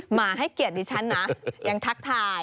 มาให้เกียรติดิฉันนะยังทักทาย